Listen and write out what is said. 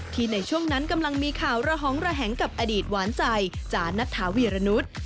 ในช่วงนั้นกำลังมีข่าวระหองระแหงกับอดีตหวานใจจ๋านัทธาวีรนุษย์